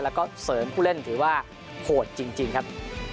แล้วก็เสริมผู้เล่นถือว่าโหดจริงครับ